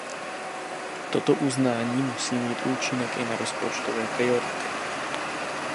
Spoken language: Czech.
Toto uznání musí mít účinek i na rozpočtové priority.